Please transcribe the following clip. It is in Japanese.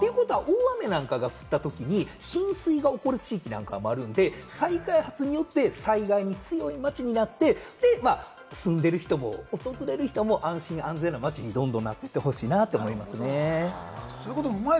大雨なんかが降ったときに浸水が起こる地域なんかもあるんで、再開発によって災害に強い街になって住んでる人も訪れる人も安全安心な街にどんどんなっていってほしいなと思いますね。